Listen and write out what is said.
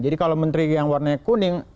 jadi kalau menteri yang warnanya kuning